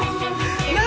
何？